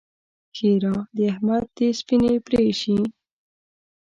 ښېرا: د احمد دې سپينې پرې شي!